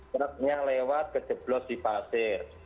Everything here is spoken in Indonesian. kerapnya lewat ke jeblos di pasir